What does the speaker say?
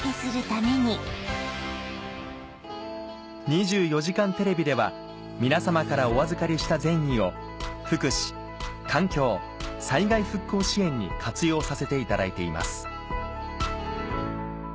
『２４時間テレビ』では皆さまからお預かりした善意を福祉・環境・災害復興支援に活用させていただいています